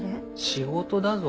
仕事だぞ？